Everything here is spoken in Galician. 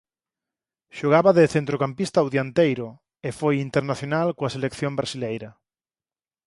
Xogaba de centrocampista ou dianteiro e foi internacional coa selección brasileira.